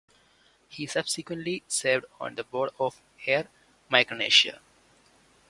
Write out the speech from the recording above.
He subsequently served on the board of Air Micronesia.